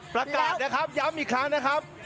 ประกาศนะครับย้ำอีกครั้งนะครับ